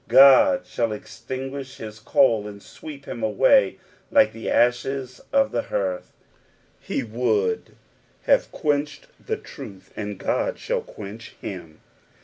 God shall extinguish his coal and sweep him away like the ashes of the hearth ; he would have quenched the trutli, and God shall quench him.